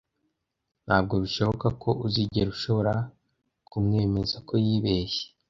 Ntabwo bishoboka ko uzigera ushobora kumwemeza ko yibeshye.